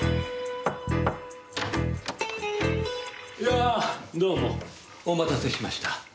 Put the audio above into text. やあどうもお待たせしました。